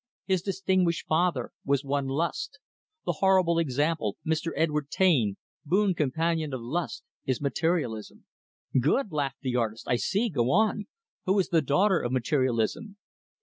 His distinguished father was one 'Lust.' The horrible example, Mr. Edward Taine, boon companion of 'Lust,' is 'Materialism'." "Good!" laughed the artist. "I see; go on. Who is the daughter of 'Materialism?'"